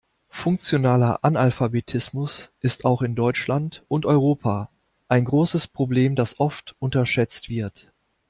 Funktionaler Analphabetismus ist auch in Deutschland und Europa ein großes Problem, das oft unterschätzt wird.